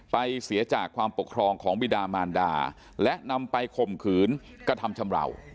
เสียจากความปกครองของบิดามารดาและนำไปข่มขืนกระทำชำราว